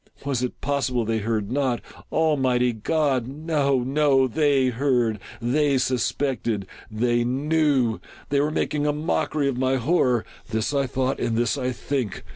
Was it possible they heard not ? Almighty God !— no, no ! They heard !— they suspected !— they knew /—they were making a mockery of my hor ror !— this I thought, and this I think.